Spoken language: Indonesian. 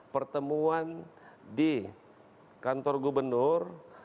pertemuan di kantor gubernur